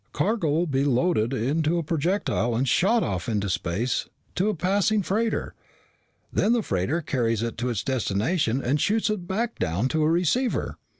Cargo'll be loaded into a projectile and shot off into space to a passing freighter. Then the freighter carries it to its destination and shoots it back down to a receiver."